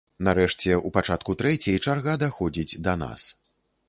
Нарэшце ў пачатку трэцяй чарга даходзіць да нас.